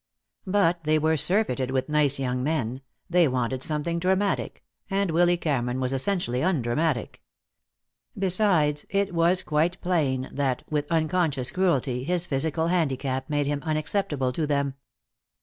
But they were surfeited with nice young men. They wanted something dramatic, and Willy Cameron was essentially undramatic. Besides, it was quite plain that, with unconscious cruelty, his physical handicap made him unacceptable to them.